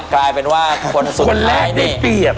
กลายเป็นว่าคนสุดท้ายนี่คนแรกได้เปรียบ